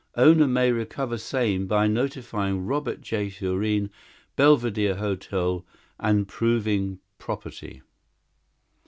Owner may recover same by notifying Robert J. Thurene, Belvedere Hotel, and proving property.